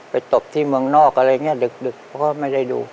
ไปตบที่เมืองนอกอะไรอย่างเงี้ยดึกดึกเพราะว่าไม่ได้ดู